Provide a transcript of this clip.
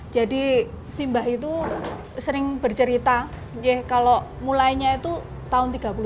jadi si mbah itu sering bercerita kalau mulainya itu tahun seribu sembilan ratus tiga puluh sembilan itu